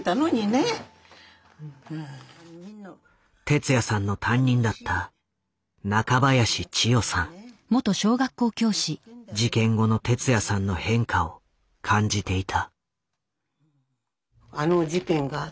哲也さんの担任だった事件後の哲也さんの変化を感じていた。